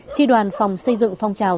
tri đoàn phòng xây dựng phong trào